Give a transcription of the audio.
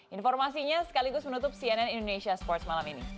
informasinya sekaligus menutup cnn indonesia sports malam ini